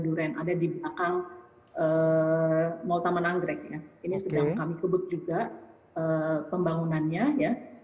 duren ada di belakang mall taman anggrek ya ini sedang kami kebut juga pembangunannya ya